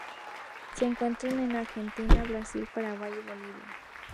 Se encuentra en Argentina, Brasil, Paraguay, y Bolivia.